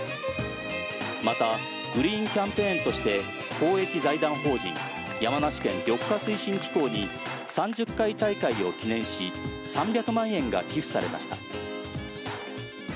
またグリーンキャンペーンとして公益財団法人山梨県緑化推進機構に３０回大会を記念し３００万円が寄付されました。